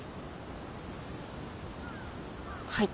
はい。